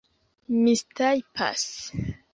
mistajpas